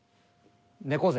猫背。